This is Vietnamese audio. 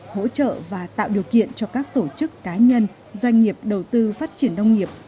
hỗ trợ và tạo điều kiện cho các tổ chức cá nhân doanh nghiệp đầu tư phát triển nông nghiệp